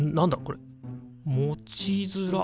持ちづら！